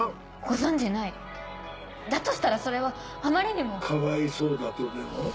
ご存じない⁉だとしたらそれはあまりにも。かわいそうだとでも？